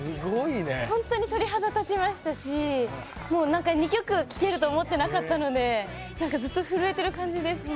本当に鳥肌立ちましたし、２曲聴けると思っていなかったので、ずっと震えてる感じです。